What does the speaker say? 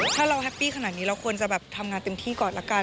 ถ้าเราแฮปปี้ขนาดนี้เราควรจะแบบทำงานเต็มที่ก่อนละกัน